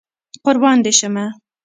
قربان دي شمه